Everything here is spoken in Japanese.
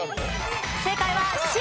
正解はＣ。